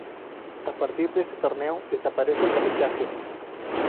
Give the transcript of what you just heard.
A partir de este torneo desaparece el repechaje.